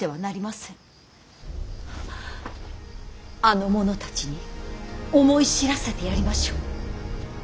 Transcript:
あの者たちに思い知らせてやりましょう。